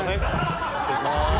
失礼しまーす。